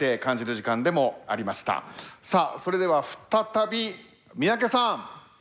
それでは再び三宅さん。